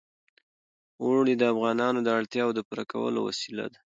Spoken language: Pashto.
اوړي د افغانانو د اړتیاوو د پوره کولو وسیله ده.